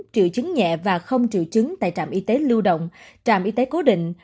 triệu chứng nhẹ và không triệu chứng tại trạm y tế lưu động trạm y tế cố định